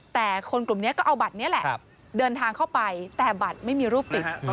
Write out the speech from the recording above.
แต่คนกลุ่มนี้ก็เอาบัตรนี้แหละเดินทางเข้าไปแต่บัตรไม่มีรูปติด